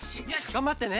がんばってね。